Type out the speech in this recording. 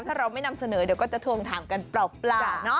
ถ้าเราไม่นำเสนอเดี๋ยวก็จะทวงถามกันเปล่าเนาะ